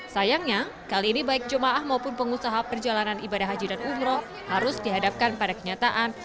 sayangnya kali ini baik jemaah maupun pengusaha perjalanan ibadah haji dan umroh harus dihadapkan pada kenyataan